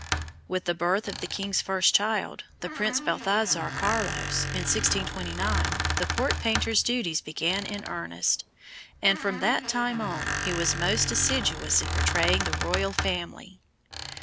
With the birth of the king's first child, the Prince Balthasar Carlos, in 1629, the court painter's duties began in earnest; and from that time on he was most assiduous in portraying the royal family.